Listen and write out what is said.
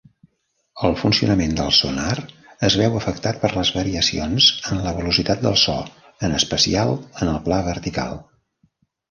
El funcionament del sonar es veu afectat per les variacions en la velocitat del so, en especial, en el pla vertical.